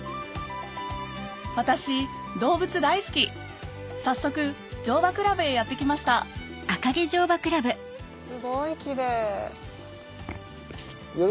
私動物大好き早速乗馬クラブへやって来ましたすごいキレイ。